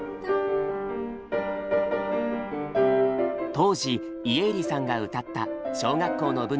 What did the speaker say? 当時家入さんが歌った小学校の部の課題曲は